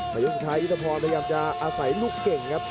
อายุสุดท้ายยุทธพรพยายามจะอาศัยลูกเก่งครับ